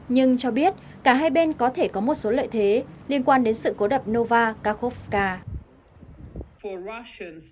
nhưng cho biết cả hai bên có thể có một số lợi thế liên quan đến sự cố đập nova kakhofka